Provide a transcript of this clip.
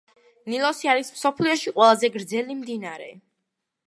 ნილოსი არის მსოფლიოში ყველაზე გრძელი მდინარე.